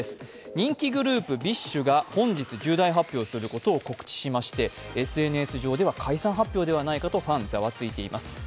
人気グループ、ＢｉＳＨが本日重大発表することを告知してＳＮＳ上では解散発表ではないかとファンがざわついています。